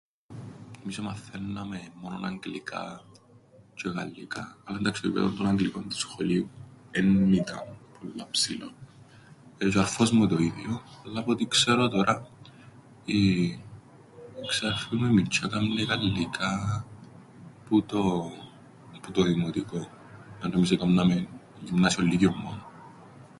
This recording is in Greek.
Εμείς εμαθαίνναμεν μόνον αγγλικά... τζ̆αι γαλλικά. Αλλά εντάξει, το επίπεδον των αγγλικών του σχολείου εν ήταν πολλά ψηλόν. Ε, τζ̆ι ο αρφός μου το ίδιον, αλλά απ' ό,τι ξέρω τωρά, η... ξάδερφη μου η μιτσ̆ιά κάμνει γαλλικά... που το... που το δημοτικόν, ενώ εμείς εκάμναμεν γυμνάσιον λύκειον μόνον.